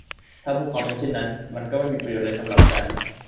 ถ้าพวกเขาเป็นเช่นนั้น มันก็ไม่มีประโยชน์อะไรสำหรับฉัน